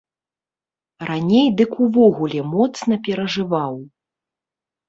Раней дык увогуле моцна перажываў.